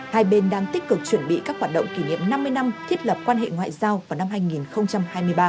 hai bên đang tích cực chuẩn bị các hoạt động kỷ niệm năm mươi năm thiết lập quan hệ ngoại giao vào năm hai nghìn hai mươi ba